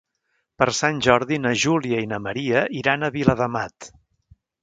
Per Sant Jordi na Júlia i na Maria iran a Viladamat.